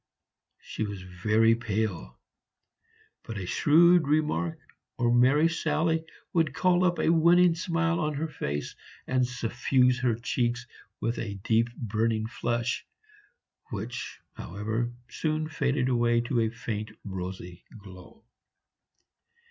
She was very pale; but a shrewd remark or a merry sally would call up a winning smile on her face and suffuse her cheeks with a deep burning flush, which, however, soon faded away to a faint rosy glow.